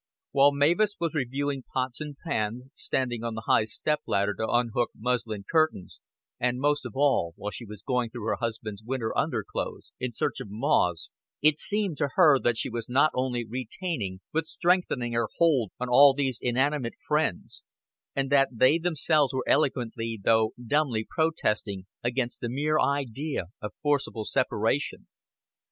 While Mavis was reviewing pots and pans, standing on the high step ladder to unhook muslin curtains, and, most of all, while she was going through her husband's winter underclothes in search of moths, it seemed to her that she was not only retaining but strengthening her hold on all these inanimate friends, and that they themselves were eloquently though dumbly protesting against the mere idea of forcible separation.